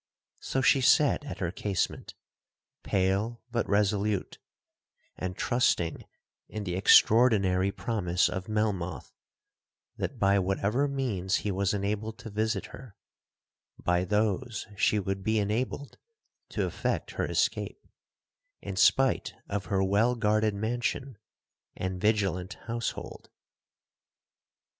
So she sat at her casement, pale but resolute, and trusting in the extraordinary promise of Melmoth, that by whatever means he was enabled to visit her, by those she would be enabled to effect her escape, in spite of her well guarded mansion, and vigilant household.